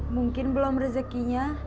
mungkin belum rezekinya